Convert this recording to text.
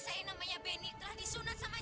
sekarang apa ya